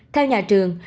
theo nhà trường